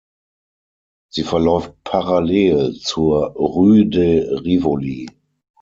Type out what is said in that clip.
Sie verläuft parallel zur Rue de Rivoli.